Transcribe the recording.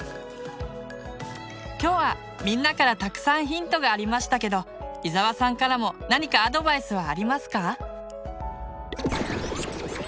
今日はみんなからたくさんヒントがありましたけど伊沢さんからも何かアドバイスはありますか？